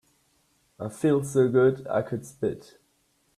I feel so good I could spit.